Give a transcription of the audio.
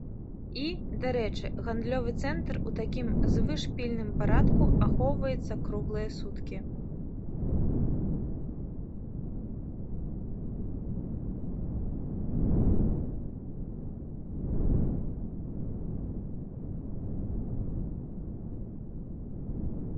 І, дарэчы, гандлёвы цэнтр у такім звышпільным парадку ахоўваецца круглыя суткі.